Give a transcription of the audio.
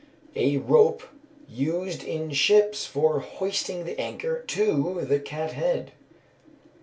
_ A rope used in ships for hoisting the anchor to the cat head.